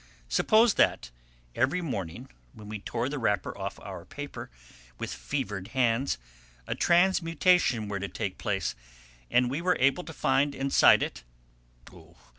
Suppose that, every morning, when we tore the wrapper off our paper with fevered hands, a transmutation were to take place, and we were to find inside it oh!